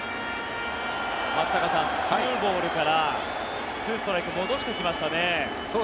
松坂さん、２ボールから２ストライクに戻してきましたね。